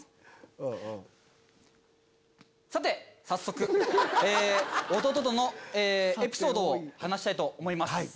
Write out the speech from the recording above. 早速弟とのエピソードを話したいと思います。